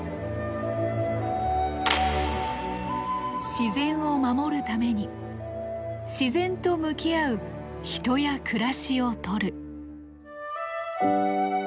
自然を守るために自然と向き合う人や暮らしを撮る。